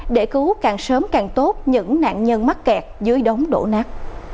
để cứu càng sớm càng tốt những nạn nhân mắc kẹt dưới đống đổ nát